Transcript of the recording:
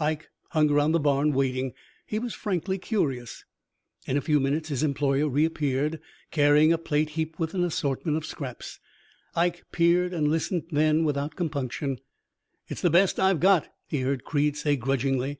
Ike hung around the barn, waiting. He was frankly curious. In a few minutes his employer reappeared, carrying a plate heaped with an assortment of scraps. Ike peered and listened then without compunction. "'It's the best I've got,' he heard Creed say grudgingly.